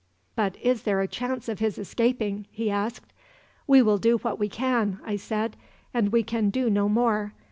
"'But is there a chance of his escaping?' he asked. "'We will do what we can,' I said; 'and we can do no more.